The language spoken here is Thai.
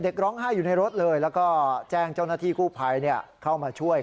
ร้องไห้อยู่ในรถเลยแล้วก็แจ้งเจ้าหน้าที่กู้ภัยเข้ามาช่วย